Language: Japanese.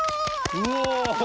うわ！